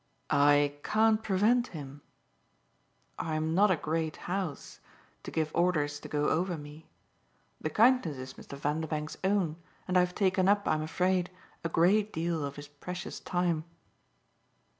"I can't prevent him. I'm not a great house to give orders to go over me. The kindness is Mr. Vanderbank's own, and I've taken up, I'm afraid, a great deal of his precious time."